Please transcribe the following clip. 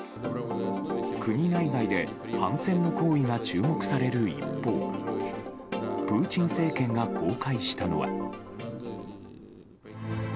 国内外で反戦の行為が注目される一方プーチン政権が公開したのは。